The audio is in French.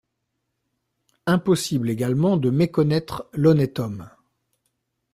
Impossible également de méconnaître l'honnête homme.